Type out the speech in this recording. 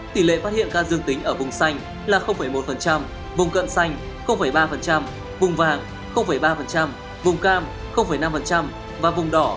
tỷ lệ phát hiện ca dương tính ở vùng xanh là một vùng cận xanh ba vùng vàng ba vùng cam năm và vùng đỏ